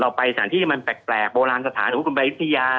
เราไปสถานที่ที่มันแปลกโบราณสถานถ้าลูกคุณไปศรียา